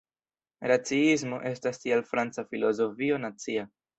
Raciismo estas tial franca filozofio nacia.